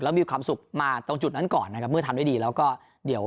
แล้วมีความสุขมาตรงจุดนั้นก่อนนะครับเมื่อทำได้ดีแล้วก็เดี๋ยว